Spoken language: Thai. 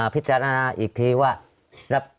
พิจารณาอีกทีว่า